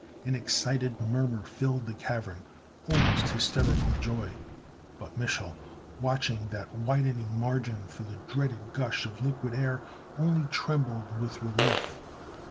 An excited murmur filled the cavern almost hysterical joy. But Mich'l, watching that widening margin for the dreaded gush of liquid air, only trembled with relief.